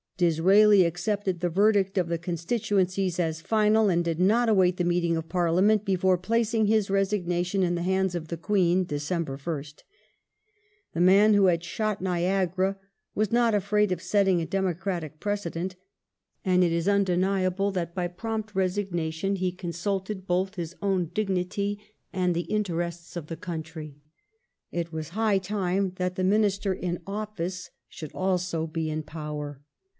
Disraeli accepted the verdict of the constituencies as final, and did not await the meeting of Parliament before placing his resignation in the hands of the Queen (Dec. 1st). The man who had " shot Nifigara " was not afraid of setting a democratic precedent,^ and it is undeniable that by prompt resignation he consulted both his own dignity and the interests of the country. It was high time that the Minister in office should also be in power.